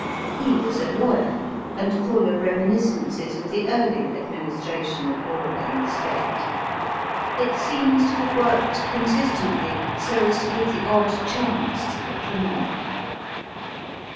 He was a lawyer, and full of reminiscences of the early administration of law in the State. It seems to have worked consistently, so as to give the odd chance to the criminal.